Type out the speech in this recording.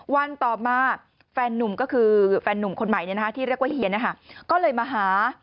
วันต่อมาแฟนนุ่มก็คือแฟนนุ่มคนใหม่ที่เรียกว่าเฮียก็เลยมาหา